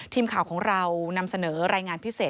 ทีมข่าวของเรานำเสนอรายงานพิเศษ